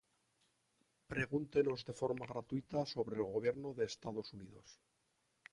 Pregúntenos de forma gratuita sobre el Gobierno de Estados Unidos.